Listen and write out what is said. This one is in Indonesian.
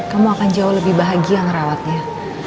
kamu akan jauh lebih bahagia ngerawatnya